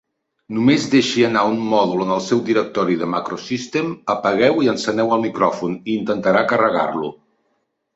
Només deixi anar un mòdul en el seu directori de MacroSystem, apagueu i enceneu el micròfon, i intentarà carregar-lo.